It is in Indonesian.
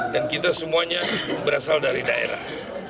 dan kita semuanya berasal dari daerah